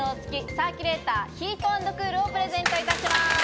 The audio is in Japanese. サーキュレーターヒート＆クール」をプレゼントいたします。